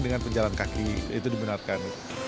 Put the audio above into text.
dan penjalan kaki itu dibenarkan